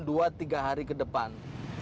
dua tiga hari ke depan